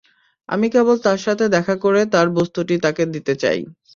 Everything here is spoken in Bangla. আমি কেবল তার সাথে দেখা করে তার বস্তুটি তাকে দিতে চাই!